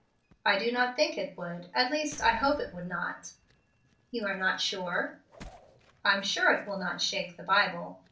"I do not think it would, at least I hope it would not." "You are not sure." "I'm sure it will not shake the Bible.